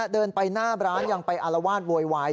เดินไปหน้าร้านยังไปอารวาสโวยวาย